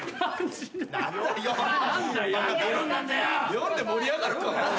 「四」で盛り上がるか？